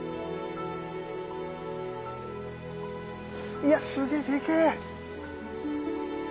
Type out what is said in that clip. いやすげえでけえ！